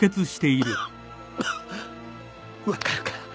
分かるか？